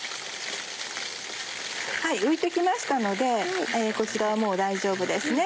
浮いて来ましたのでこちらはもう大丈夫ですね。